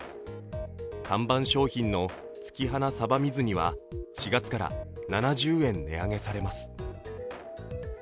看板商品の月花さば水煮は４月から７０円値上げされます。